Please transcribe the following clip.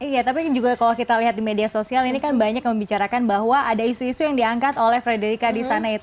iya tapi juga kalau kita lihat di media sosial ini kan banyak membicarakan bahwa ada isu isu yang diangkat oleh frederika disana